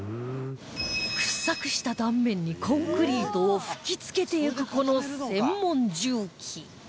掘削した断面にコンクリートを吹き付けていくこの専門重機